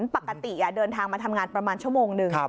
ปกติเดินทางมาทำงานประมาณชั่วโมงหนึ่ง